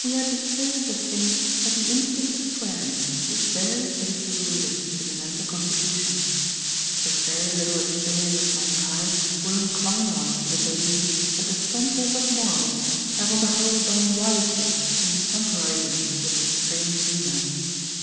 We are disposed to think that the instinct of swearing is very deeply rooted in the mental constitution. A very little experience of mankind will incline one to the belief that the censors of morals have on the whole done wisely in temporising with this strange humour.